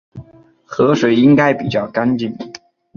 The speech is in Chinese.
河水应该比较干净